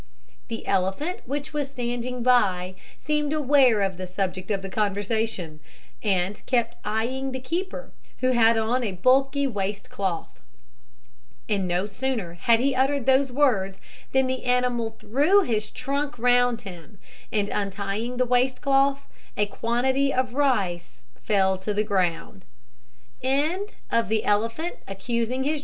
The elephant, which was standing by, seemed aware of the subject of the conversation, and kept eyeing the keeper, who had on a bulky waist cloth; and no sooner had he uttered these words than the animal threw his trunk round him, and untying the waist cloth, a quantity of rice fell to the ground.